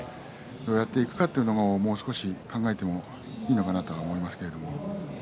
どうやっていくのかを、もう少し考えてもいいのかなと思いますけれども。